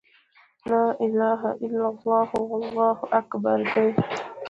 وَلَا إِلَهَ إلَّا اللهُ، وَاللهُ أكْبَرُ دي .